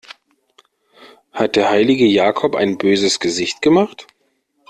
Hat der heilige Jakob ein böses Gesicht gemacht?